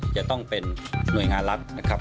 จะต้องเป็นหน่วยงานรัฐนะครับ